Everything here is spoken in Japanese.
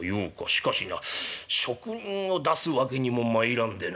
しかしな職人を出すわけにもまいらんでな。